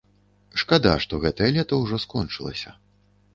Шкада, што гэтае лета ўжо скончылася.